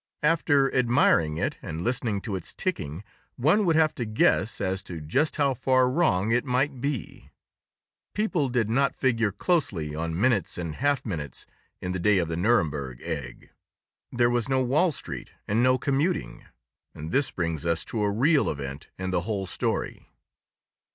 After admiring it and listening to its ticking, one would have to guess as to just how far wrong it might be. People did not figure closely on minutes and half minutes in the day of the Nuremberg egg; there was no "Wall Street" and no commuting. And this brings us to a real event in the whole story.